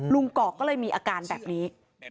กอกก็เลยมีอาการแบบนี้